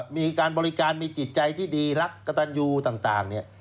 มีการบริการมีจิตใจที่ดีรักกระตันยูต่างเนี่ย